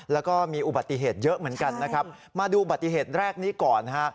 แล้วก็มีอุบัติเหตุเยอะเหมือนกันนะครับมาดูบัติเหตุแรกนี้ก่อนฮะ